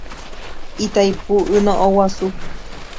Itaipu yno'õguasu.